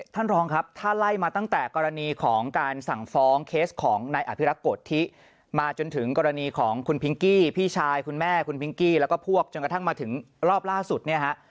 ท่านรองครับถ้าไล่มาตั้งแต่กรณีของการสั่งฟ้องเคสของนายอภิรักษ์โกธิมาจนถึงกรณีของคุณพิงกี้พี่ชายคุณแม่คุณพิงกี้แล้วก็พวกจนกระทั่งมาถึงรอบล่าสุดเนี่ยฮะ